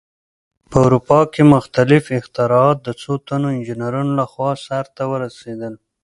په اروپا کې مختلف اختراعات د څو تنو انجینرانو لخوا سرته ورسېدل.